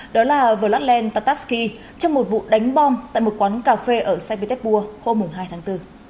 đó là vladlen patashki trong một vụ đánh bom tại một quán cà phê ở sevitecpur hôm hai tháng bốn